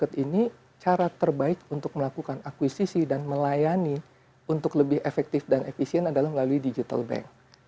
karena kalau kita lihat mass market ini cara terbaik untuk melakukan akuisisi dan melayani untuk lebih efektif dan efisien adalah melalui digital bank